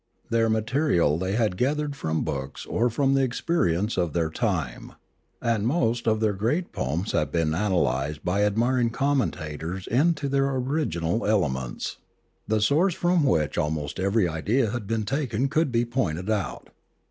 Their material they had gathered from books or from the experience of their time; and most of their great poems had been analysed by admiring commentators into their original elements; the source from which almost every idea had been taken could be pointed out.